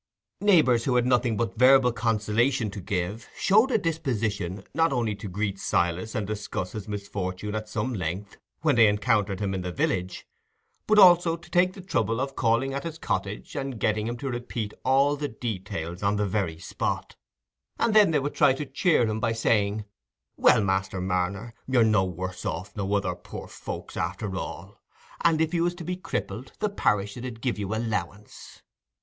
Neighbours who had nothing but verbal consolation to give showed a disposition not only to greet Silas and discuss his misfortune at some length when they encountered him in the village, but also to take the trouble of calling at his cottage and getting him to repeat all the details on the very spot; and then they would try to cheer him by saying, "Well, Master Marner, you're no worse off nor other poor folks, after all; and if you was to be crippled, the parish 'ud give you a 'lowance."